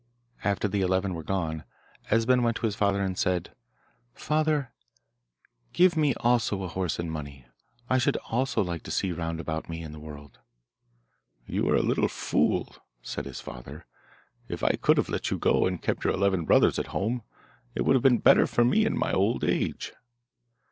After the eleven were gone Esben went to his father and said, 'Father, give me also a horse and money; I should also like to see round about me in the world.' 'You are a little fool,' said his father. 'If I could have let you go, and kept your eleven brothers at home, it would have been better for me in my old age.